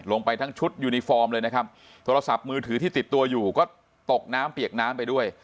ลงไปทั้งชุดยูนิฟอร์มเลยนะครับโทรศัพท์มือถือที่ติดตัวอยู่ก็ตกน้ำเปียกน้ำไปด้วย